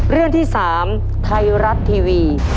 เรื่องที่สามไทรัตทีวี